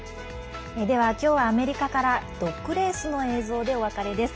では今日はアメリカからドッグレースの映像でお別れです。